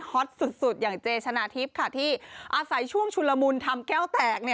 ตสุดอย่างเจชนะทิพย์ค่ะที่อาศัยช่วงชุนละมุนทำแก้วแตก